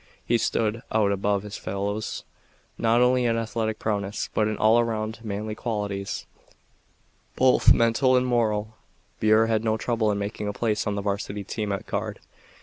He stood out above his fellows, not only in athletic prowess but in all around manly qualities, both mental and moral. Burr had no trouble in making a place on the Varsity team at Guard.